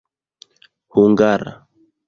hungara